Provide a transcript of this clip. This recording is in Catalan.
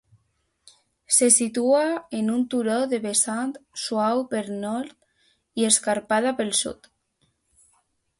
Se situa en un turó de vessant suau pel nord i escarpada pel sud.